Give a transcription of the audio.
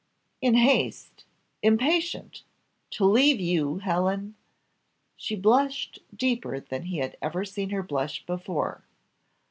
"In haste! impatient! to leave you, Helen!" She blushed deeper than he had ever seen her blush before.